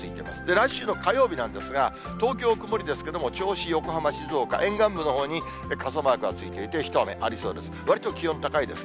来週の火曜日なんですが、東京は曇りですけれども、銚子、横浜、静岡、沿岸部のほうに傘マークがついていて、一雨ありそうです。